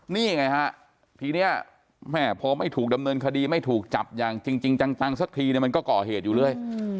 นี่ไงฮะทีนี้แม่พอไม่ถูกดำเนินคดีไม่ถูกจับอย่างจริงจังสักทีเนี่ยมันก็ก่อเหตุอยู่เรื่อย